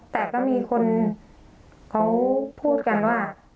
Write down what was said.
แต่ก็มีคนเขาพูดกันว่า